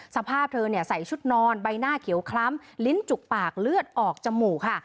สภาพเธอใส่ชุดนอนใบหน้าเขียวคล้ำลิ้นจุกปากเลือดออกจมูกค่ะ